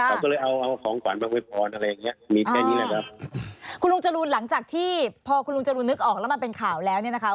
เขาก็เลยเอาเอาของขวัญมาโวยพรอะไรอย่างเงี้ยมีแค่นี้แหละครับคุณลุงจรูนหลังจากที่พอคุณลุงจรูนนึกออกแล้วมันเป็นข่าวแล้วเนี่ยนะคะ